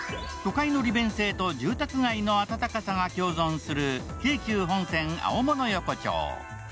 都会の利便性と住宅街の温かさが共存する京急本線青物横丁。